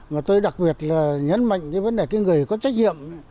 mà tôi đặc biệt là nhấn mạnh cái vấn đề cái người có trách nhiệm